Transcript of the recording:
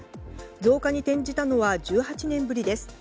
増加に転じたのは１８年ぶりです。